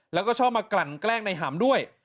แล้วก็ชอบมากลั่นแกล้งในหำด้วย